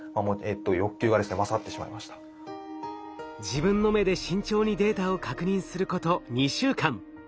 自分の目で慎重にデータを確認すること２週間。